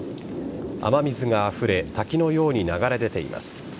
雨水があふれ滝のように流れ出ています。